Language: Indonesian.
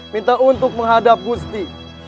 minta untuk menghadap gusti